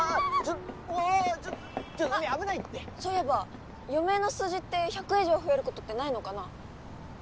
そういえば余命の数字って１００以上増えることってないのかな？